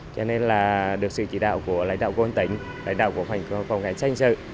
cho nên là được sự chỉ đạo của lãnh đạo của quân tỉnh lãnh đạo của phòng cảnh sát hình sư